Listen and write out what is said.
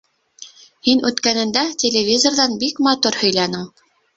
Һин үткәнендә телевизорҙан бик матур һөйләнең.